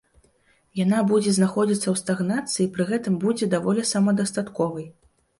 Яна будзе знаходзіцца ў стагнацыі і пры гэтым будзе даволі самадастатковай.